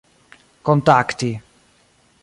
kontakti